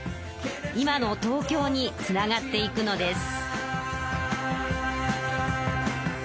今の東京につながっていくのです。